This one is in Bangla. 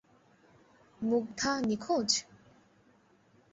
মুগ্ধা নিখোঁজ?